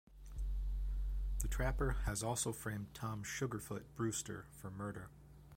The trapper has also framed Tom "Sugarfoot" Brewster for murder.